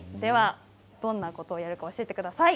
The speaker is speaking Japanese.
どんなことをやるか教えてください。